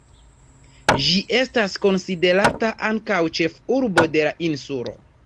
Ĝi estas konsiderata ankaŭ ĉefurbo de la insulo.